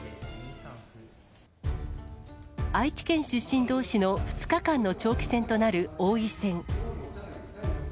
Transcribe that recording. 愛知県出身どうしの２日間の長期戦となる、王位戦。